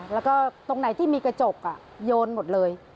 แล้วก็ตรงไหนที่มีกระจกโยนหมดเลย